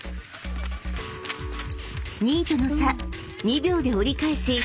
［２位との差２秒で折り返し］